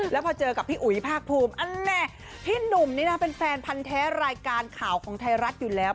แล้วพอเจอกับพี่อุ๋ยภาคภูมิอันแม่พี่หนุ่มนี่นะเป็นแฟนพันธ์แท้รายการข่าวของไทยรัฐอยู่แล้ว